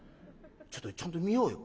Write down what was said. ちょっとちゃんと見ようよ。